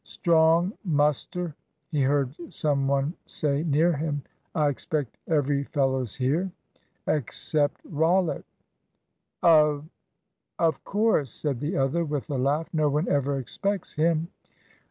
"Strong muster," he heard some one say near him. "I expect every fellow's here." "Except Rollitt." "Of, of course," said the other, with a laugh, "no one ever expects him."